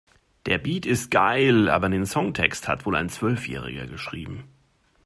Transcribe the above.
Der Beat ist geil, aber den Songtext hat wohl ein Zwölfjähriger geschrieben.